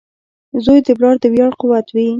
• زوی د پلار د ویاړ قوت وي.